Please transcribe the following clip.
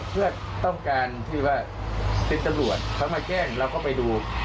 เพื่อต้องการที่ว่าเป็นตำรวจเขามาแจ้งเราก็ไปดู